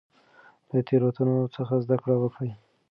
له تیروتنو څخه زده کړه وکړئ.